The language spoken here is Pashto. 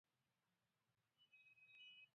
نه پوهېږم چې دا زما جملې شاملېږي که هسې لګیا یم.